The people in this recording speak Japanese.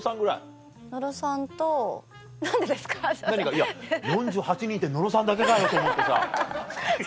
いや４８人いて野呂さんだけかよと思ってさ。